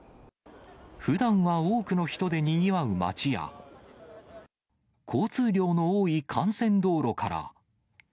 ふだんは多くの人でにぎわう街や、交通量の多い幹線道路から。